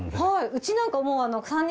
うちなんかもう。